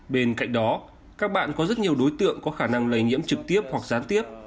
bên cạnh đó các bạn có rất nhiều đối tượng có khả năng lây nhiễm trực tiếp hoặc gián tiếp